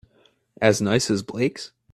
As nice as Blake's?